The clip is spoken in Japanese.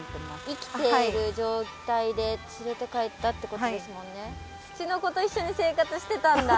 生きてる状態で連れて帰ったってことですもんねいいな！